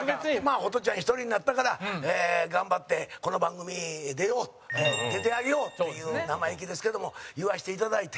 ホトちゃん１人になったから頑張って、この番組出よう、出てあげようという生意気ですけども言わせていただいて。